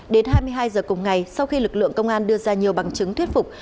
đến hai mươi hai h cùng ngày sau khi lực lượng công an đưa ra nhiều bằng chứng thuyết phục